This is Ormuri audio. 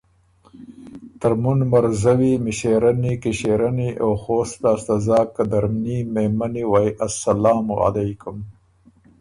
” ترمُن مرزوی، مݭېرنی، کِݭېرنی او خوست لاسته زاک قدرمني مېمنی وئ اسلام علیکم!